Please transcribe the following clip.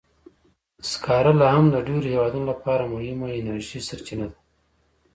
سکاره لا هم د ډېرو هېوادونو لپاره مهمه انرژي سرچینه ده.